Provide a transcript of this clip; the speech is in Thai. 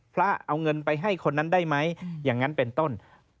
พระเอาเงินไปให้คนนั้นได้ไหมอย่างนั้นเป็นต้น